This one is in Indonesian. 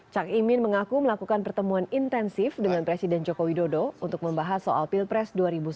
cak imin mengaku melakukan pertemuan intensif dengan presiden joko widodo untuk membahas soal pilpres dua ribu sembilan belas